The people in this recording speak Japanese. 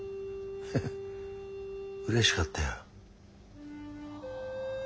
ヘヘッうれしかったよ。